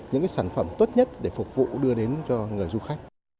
những sản phẩm tốt nhất để phục vụ đưa đến cho người du khách